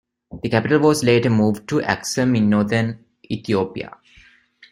The capital was later moved to Aksum in northern Ethiopia.